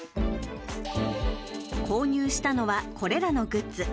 購入したのは、これらのグッズ。